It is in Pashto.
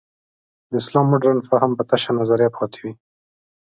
د اسلام مډرن فهم به تشه نظریه پاتې وي.